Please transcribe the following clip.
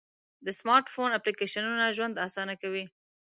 د سمارټ فون اپلیکیشنونه ژوند آسانه کوي.